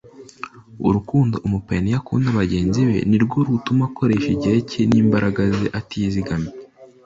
urukundo umupayiniya akunda bagenzi be ni rwo rutuma akoresha igihe cye n imbaraga ze atizigamye